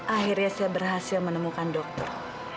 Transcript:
akhirnya saya berhasil menemukan dokter